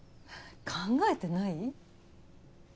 考えてない？